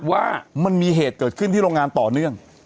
ว่ามันมีเหตุเกิดขึ้นที่โรงงานต่อเนื่อง